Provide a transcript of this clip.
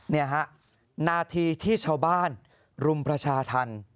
นี่ฮะนาทีที่ชาวบ้านรุมประชาธรรม